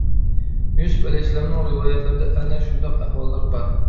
يۈسۈپ ئەلەيھىسسالامنىڭ رىۋايەتلىرىدە ئەنە شۇنداق ئەھۋاللار بار.